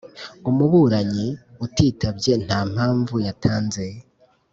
Umuburanyi utitabye nta mpamvu yatanze.